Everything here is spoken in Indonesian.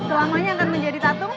selamanya akan menjadi tatung